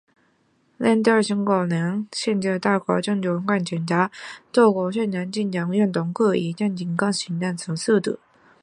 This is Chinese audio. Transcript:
人到中老年，视力多有不同程度地衰减，多做运目眨眼运动可以减缓视力衰减的速度。